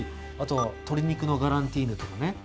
あと鶏肉のガランティーヌとかね